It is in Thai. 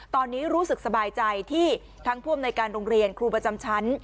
ตอนนี้รู้สึกสบายใจที่ทั้งผู้อำนวยการโรงเรียนครูประจำชั้น